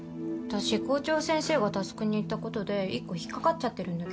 私校長先生が匡に言ったことで１個引っ掛かっちゃってるんだけど。